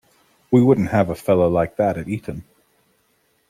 We wouldn't have a fellow like that at Eton.